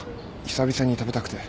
久々に食べたくて。